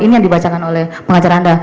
ini yang dibacakan oleh pengacara anda